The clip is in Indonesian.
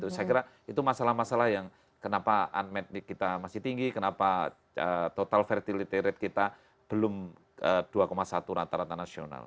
saya kira itu masalah masalah yang kenapa unmet kita masih tinggi kenapa total fertility rate kita belum dua satu rata rata nasional